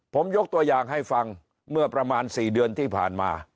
ผมยกตัวอย่างให้ฟังเมื่อประมาณ๔เดือนที่ผ่านมา